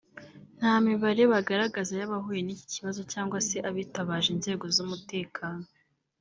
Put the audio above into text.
nta mibare bagaragaza y’abahuye n’iki kibazo cyangwa se abitabaje inzego z’umutekano